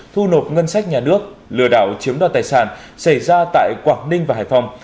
thu nộp ngân sách nhà nước lừa đảo chiếm đoạt tài sản xảy ra tại quảng ninh và hải phòng